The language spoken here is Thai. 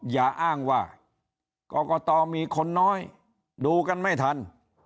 อย่าอ้างว่ากรกตมีคนน้อยดูกันไม่ทัน